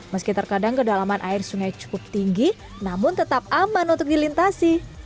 meski terkadang kedalaman air sungai cukup tinggi namun tetap aman untuk dilintasi